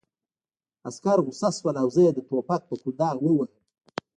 عسکر غوسه شول او زه یې د ټوپک په کونداغ ووهلم